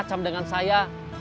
dan semacam dengan saya